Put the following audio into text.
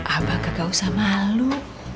abang gak usah malu